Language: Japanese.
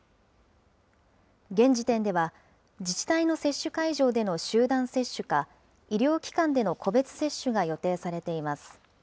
現時点では自治体の接種会場での集団接種か、医療機関での個別接種が予定されています。